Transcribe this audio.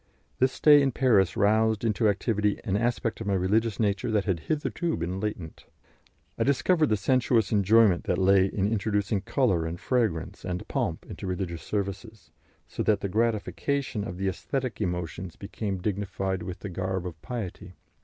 This stay in Paris roused into activity an aspect of my religious nature that had hitherto been latent. I discovered the sensuous enjoyment that lay in introducing colour and fragrance and pomp into religious services, so that the gratification of the aesthetic emotions became dignified with the garb of piety.